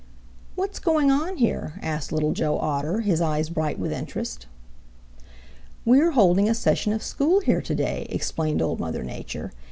"What's going on here?" asked Little Joe Otter, his eyes bright with interest. "We are holding a session of school here today," explained Old Mother Nature.